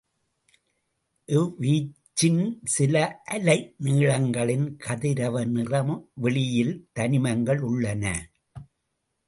இவ்வீச்சின் சில அலை நீளங்களின் கதிரவ நிற வெளியில் தனிமங்கள் உள்ளன.